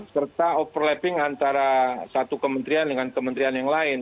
serta overlapping antara satu kementerian dengan kementerian yang lain